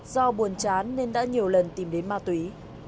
do buồn chán nên đã nhiều lần tìm đến ma túy